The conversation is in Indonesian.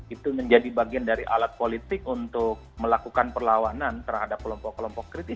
itu menjadi bagian dari alat politik untuk melakukan perlawanan terhadap kelompok kelompok kritis